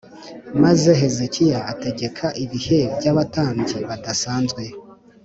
Maze Hezekiya ategeka ibihe by’ abatambyi bidasanzwe